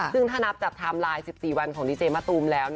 ซึ่งถ้านับจากไทม์ไลน์๑๔วันของดีเจมะตูมแล้ว